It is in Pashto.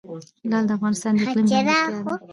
لعل د افغانستان د اقلیم ځانګړتیا ده.